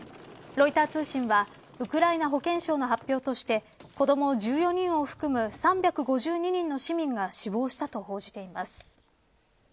ロイター通信はウクライナ保健省の発表として子ども１４人を含む３５２人の市民が死亡したと報じています。